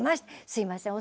「すいません。